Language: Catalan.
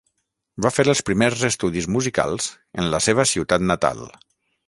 Va fer els primers estudis musicals en la seva ciutat natal.